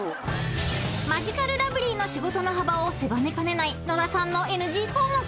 ［マヂカルラブリーの仕事の幅を狭めかねない野田さんのＮＧ項目］